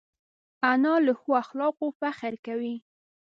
انا له ښو اخلاقو فخر کوي